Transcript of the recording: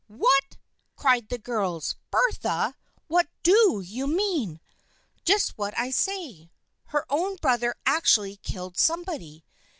" What !" cried the girls. '/ Bertha ! What do you mean ?"" J ust what I say. Her own brother actually killed somebody."